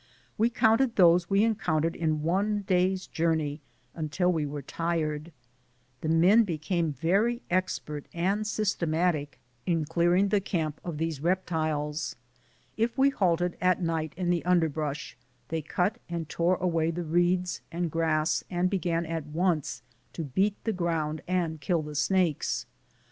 We counted those we encountered in one day's journey until we were tired. The men became very ADVENTURES— THE LAST DAYS OF THE MARCH. 7D expert and sj'stematic in clearing the camp of these reptiles. If we halted at night in the underbrush, they cut and tore away the reeds and grass, and began at once to beat the ground and kill the snakes.